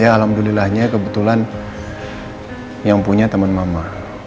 ya alhamdulillahnya kebetulan yang punya teman mama